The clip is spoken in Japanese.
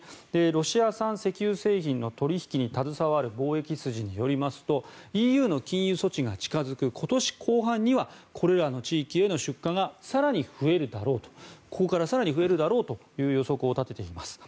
ロシア産石油製品の取引に携わる貿易筋によりますとＥＵの禁輸措置が近付く今年後半にはこれらの地域への出荷がここから更に増えるだろうという予測を立てています。